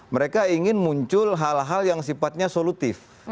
mereka ingin muncul hal hal yang sifatnya solutif